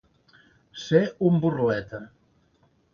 Ser un burleta.